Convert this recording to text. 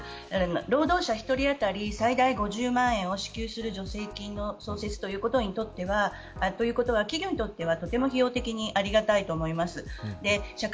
労働者一人当たり最大５０万円を支給する助成金の創設ということは企業にとっては、とても費用的にありがたいと思います。